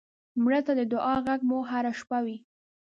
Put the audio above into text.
مړه ته د دعا غږ مو هر شپه وي